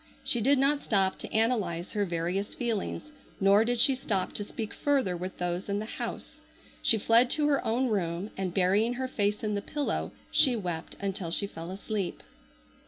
She did not stop to analyze her various feelings, nor did she stop to speak further with those in the house. She fled to her own room, and burying her face in the pillow she wept until she fell asleep.